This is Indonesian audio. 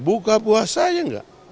buka puasanya enggak